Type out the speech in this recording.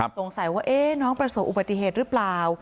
สงสัยว่าน้องประสบอุบัติเหตุหรือเปล่า